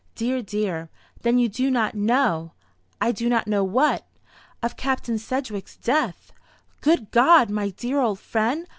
"Dear, dear! Then you do not know " "I do not know what?" "Of Captain Sedgewick's death." "Good God! My dear old friend!